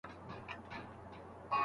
ماخذونه د لیکوال لخوا راټول سوي دي.